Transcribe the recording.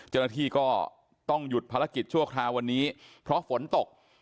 เจ้าหน้าที่ก็ต้องหยุดภารกิจชั่วคราววันนี้เพราะฝนตก